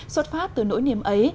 xuất phát từ nỗi niềm ấy